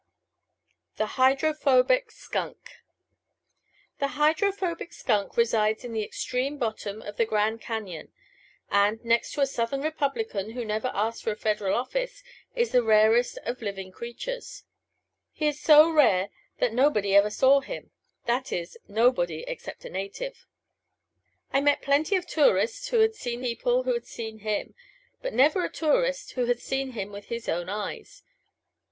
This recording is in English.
The Hydrophobic Skunk By Irvin S. Cobb THE Hydrophobic Skunk resides at the extreme bottom of the Grand Cañon and, next to a Southern Republican who never asked for a Federal office, is the rarest of living creatures. He is so rare that nobody ever saw him that is, nobody except a native. I met plenty of tourists who had seen people who had seen him, but never a tourist who had seen him with his own eyes.